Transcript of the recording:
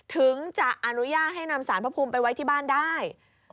ถึงจะอนุญาตให้นำสารพระภูมิไปไว้ที่บ้านได้